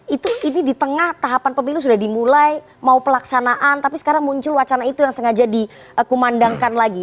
itu ini di tengah tahapan pemilu sudah dimulai mau pelaksanaan tapi sekarang muncul wacana itu yang sengaja dikumandangkan lagi